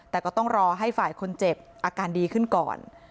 แต่ก็ต้องรอให้ฝ่ายคนเจ็บอาการดีขึ้นก่อน